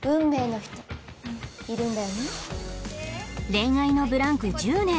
恋愛のブランク１０年